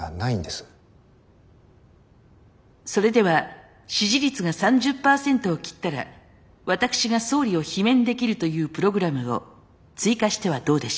それでは支持率が３０％を切ったら私が総理を罷免できるというプログラムを追加してはどうでしょう。